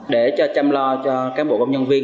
để cho chăm lo cho cán bộ công nhân viên